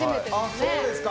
そうですか。